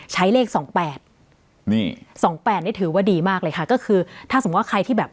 ใช้เลขสองแปดนี่สองแปดนี่ถือว่าดีมากเลยค่ะก็คือถ้าสมมุติว่าใครที่แบบ